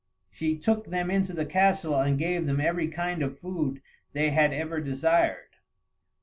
She took them into the castle and gave them every kind of food they had ever desired.